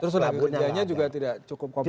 terus lalu kerjanya juga tidak cukup kompeten